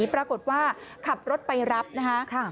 ปรากฏว่าขับรถไปรับนะคะ